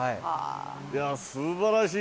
いやー、すばらしい。